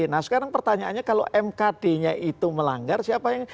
nah sekarang pertanyaannya kalau mkdnya itu melanggar siapa yang